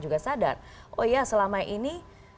juga sadar oh ya selama ini